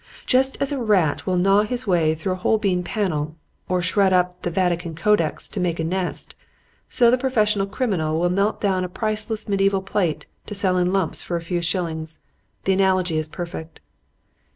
Just as a rat will gnaw his way through a Holbein panel, or shred up the Vatican Codex to make a nest, so the professional criminal will melt down priceless medieval plate to sell in lumps for a few shillings. The analogy is perfect.